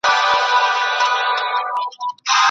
د سمندر د څپو شور ته جوړه